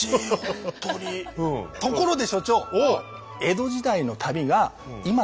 ところで所長！